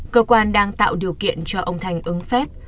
cơ quan đang tạo điều kiện cho ông thành ứng phép